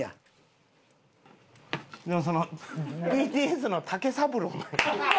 でもそのＢＴＳの竹三郎。